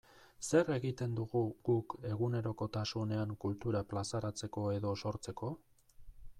Zer egiten dugu guk egunerokotasunean kultura plazaratzeko edo sortzeko?